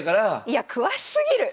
いや詳しすぎる！